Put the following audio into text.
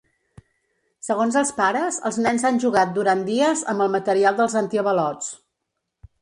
Segons els pares, els nens han jugat durant dies amb el material dels antiavalots.